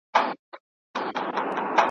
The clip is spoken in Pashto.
سپینو وېښتو ته جهاني هینداره نه ځلوم ,